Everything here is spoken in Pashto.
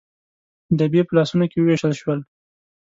ډبي په لاسونو کې ووېشل شول.